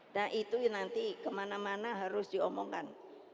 nah itu nanti kemana mana harus diomongkan